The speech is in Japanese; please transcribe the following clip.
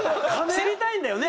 知りたいんだよね？